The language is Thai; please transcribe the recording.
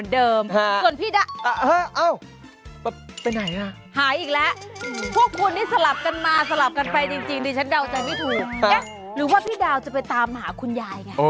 เดี๋ยวกลับมาตามตอบแบบชัดใน